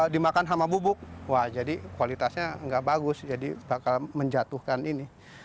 dimakan sama bubuk wah jadi kualitasnya nggak bagus jadi bakal menjatuhkan ini